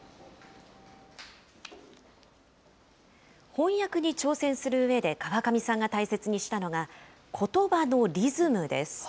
翻訳に挑戦するうえで川上さんが大切にしたのが、ことばのリズムです。